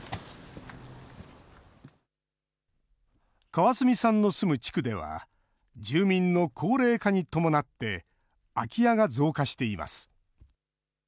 川角さんの住む地区では、住民の高齢化に伴って、空き家が増加しています。